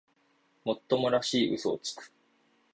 もっともらしい嘘をつく